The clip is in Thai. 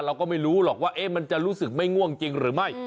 เราก็ไม่รู้หรอกว่ามันจะรู้สึกไม่ง่วงจริงหรือไม่